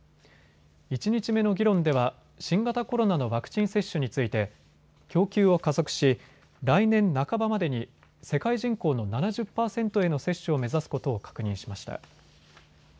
１日目の議論では新型コロナのワクチン接種について供給を加速し来年半ばまでに世界人口の７０％への接種を目指すことを確認しました。